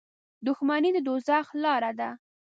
• دښمني د دوزخ لاره ده.